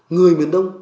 người miền đông